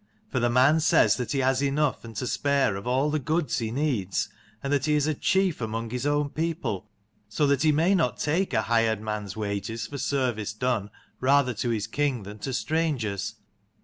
For the man says that he has enough and to spare of all the goods he needs ; and that he is a chief among his own people, so that he may not take a hired man's 63 wages for service done rather to his king than to strangers.